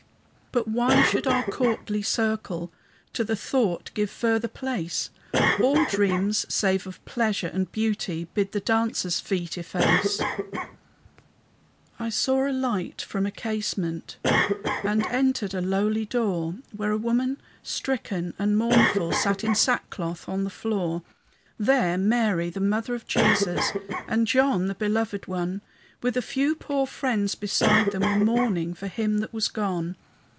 "But why should our courtly circle To the thought give further place? All dreams, save of pleasure and beauty, Bid the dancers' feet efface." ........ I saw a light from a casement, And entered a lowly door, Where a woman, stricken and mournful, Sat in sackcloth on the floor. There Mary, the mother of Jesus, And John, the belovèd one, With a few poor friends beside them, Were mourning for Him that was gone.